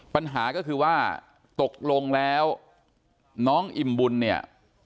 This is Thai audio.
ปัญหาก็คือว่าตกลงแล้วน้องอิ่มบุญเนี่ย